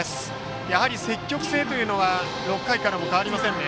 やはり積極性は６回からも変わりませんね。